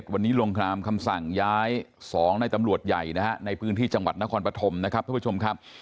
วันนี้ลงครามคำสั่งย้าย๒ในตำรวจใหญ่นะฮะในพื้นที่จังหวัดนครปฐมนะครับท่านผู้ชมครับ